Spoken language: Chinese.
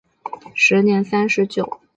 时年三十九。